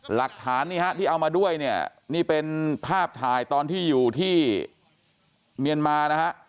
หลักฐานนี่ฮะที่เอามาด้วยเนี่ยนี่เป็นภาพถ่ายตอนที่อยู่ที่เมียนมานะฮะ